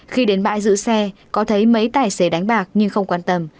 khi đến bãi giữ xe có thấy mấy tài xế đánh bạc nhưng không quan tâm